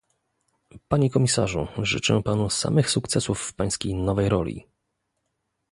Panie komisarzu! Życzę panu samych sukcesów w pańskiej nowej roli